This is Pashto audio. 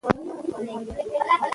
ځان او کورنۍ يې د بدۍ څښتنه کړه.